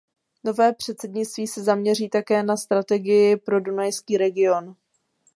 Nové předsednictví se zaměří také na strategii pro dunajský region.